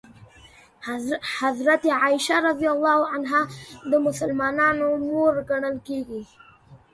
حضرت عایشه رض د مسلمانانو مور ګڼل کېږي.